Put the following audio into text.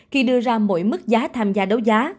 khi đưa ra mỗi mức giá tham gia đấu giá